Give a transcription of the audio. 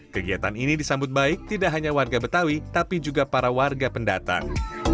kegiatan ini disambut baik tidak hanya warga betawi tapi juga para warga pendatang